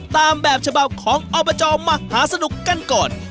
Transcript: ตามแบบฉบับของอบจมหาสนุกกันก่อน